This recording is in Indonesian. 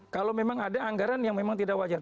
kalau memang ada anggaran yang memang tidak wajar